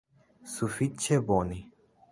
Sufiĉe bone